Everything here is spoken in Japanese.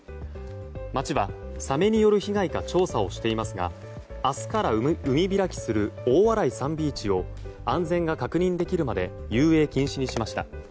町は、サメによる被害か調査をしていますが明日から海開きする大洗サンビーチを安全が確認できるまで遊泳禁止にしました。